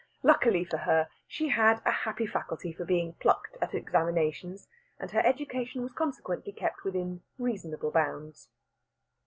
Luckily for her, she had a happy faculty for being plucked at examinations, and her education was consequently kept within reasonable bounds.